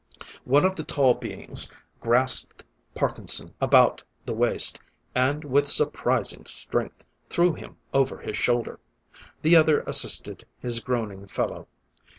One of the tall beings grasped Parkinson about the waist, and with surprising strength, threw him over his shoulder. The other assisted his groaning fellow.